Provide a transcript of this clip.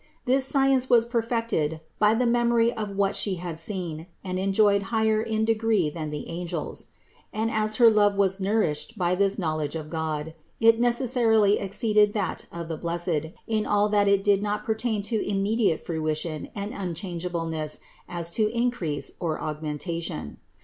This science was perfected by the memory of what She had seen and enjoyed higher in degree than the angels. And as her love was nourished by this knowledge of God, it neces sarily exceeded that of the blessed in all that did not pertain to immediate fruition and unchangeableness as to increase or augmentation.